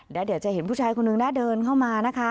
เดี๋ยวจะเห็นผู้ชายคนนึงนะเดินเข้ามานะคะ